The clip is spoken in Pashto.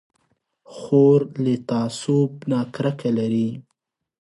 خور له تعصب نه کرکه لري.